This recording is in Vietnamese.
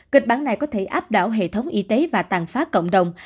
kịch bản này có thể áp đảo hệ thống y tế và tàn phá cộng đồng